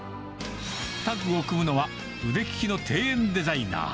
タッグを組むのは、腕利きの庭園デザイナー。